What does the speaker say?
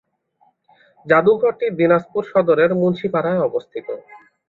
জাদুঘরটি দিনাজপুর সদরের মুন্সিপাড়ায় অবস্থিত।